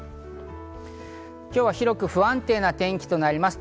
今日は広く不安定な天気となります。